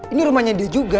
ini rumahnya dia juga